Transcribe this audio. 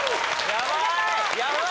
ヤバい！